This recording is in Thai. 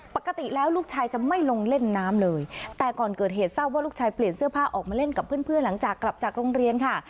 ปกติแล้วลูกชายจะไม่ลงเล่นน้ำเลยแต่ก่อนเกิดเหตุทราบว่าลูกชายเปลี่ยนเสื้อผ้าออกมาเล่นกับเพื่อนหลังจากกลับจากโรงเรียนค่ะ